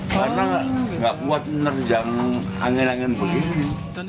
karena nggak kuat menerjang angin angin begini